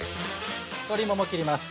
鶏もも切ります。